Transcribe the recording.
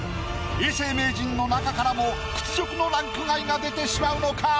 永世名人の中からも屈辱のランク外が出てしまうのか？